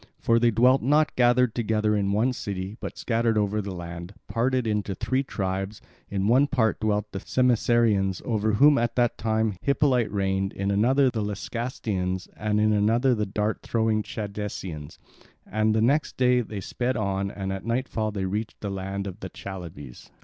For they dwelt not gathered together in one city, but scattered over the land, parted into three tribes. In one part dwelt the Themiscyreians, over whom at that time Hippolyte reigned, in another the Lycastians, and in another the dart throwing Chadesians. And the next day they sped on and at nightfall they reached the land of the Chalybes.